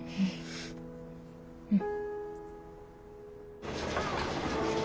うん。